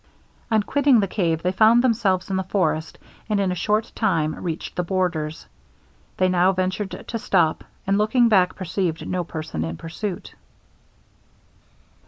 On quitting the cave they found themselves in the forest, and in a short time reached the borders. They now ventured to stop, and looking back perceived no person in pursuit.